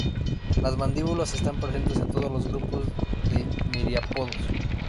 Las mandíbulas están presentes en todos los grupos de miriápodos.